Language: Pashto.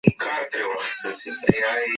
ټولنیز نهاد د ټولنې د ګډ نظم یوه برخه ده.